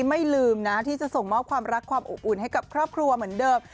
ไม่ลืมนะที่จะส่งมอบความรักความอบอุ่นให้กับครอบครัวเหมือนเดิม